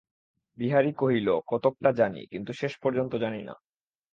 বিহারী কহিল, কতকটা জানি, কিন্তু শেষ পর্যন্ত জানি না।